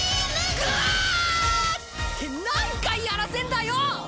ぐわっ！って何回やらせんだよ！